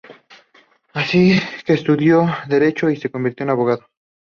Así que estudió Derecho y se convirtió en abogado.